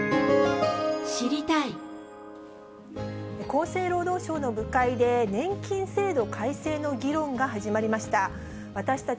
厚生労働省の部会で、年金制度改正の議論が始まりました。